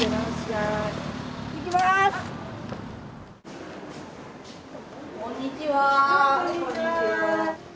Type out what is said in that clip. はいこんにちは。